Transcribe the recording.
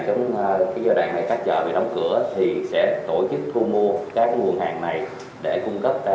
cái giai đoạn này các chợ bị đóng cửa thì sẽ tổ chức thu mua các nguồn hàng này để cung cấp